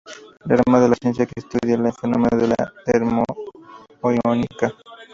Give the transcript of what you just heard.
La rama de la ciencia que estudia este fenómeno es la termoiónica.